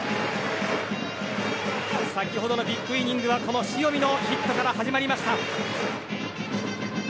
先ほどのビッグイニングは塩見から始まりました。